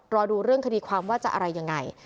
รอดูเรื่องคดีความว่าจะอะไรยังไง